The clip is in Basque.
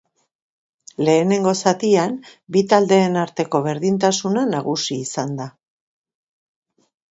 Lehenengo zatian bi taldeen arteko berdintasuna nagusi izan da.